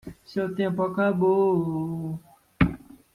Seu tempo acabou